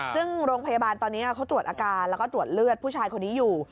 ซึ่งโรงพยาบาลตอนนี้เขาตรวจอาการแล้วก็ตรวจเลือดผู้ชายคนนี้อยู่